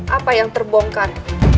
apa yang terbongkar